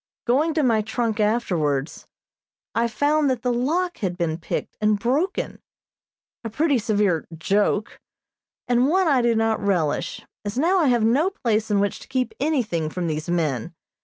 Going to my trunk afterwards, I found that the lock had been picked and broken, a pretty severe "joke," and one I do not relish, as now I have no place in which to keep anything from these men.